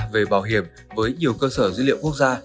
về bảo hiểm với nhiều cơ sở dữ liệu quốc gia